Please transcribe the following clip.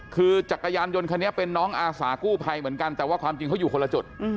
คือจักรยานยนต์คันนี้เป็นน้องอาสากู้ภัยเหมือนกันแต่ว่าความจริงเขาอยู่คนละจุด